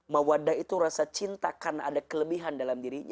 mawadah itu rasa cinta karena ada kelebihan dalam dirinya